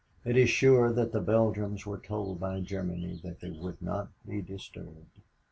It is sure that the Belgians were told by Germany that they would not be disturbed.